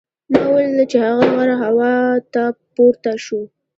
ما ولیدل چې هغه غر هوا ته پورته شو.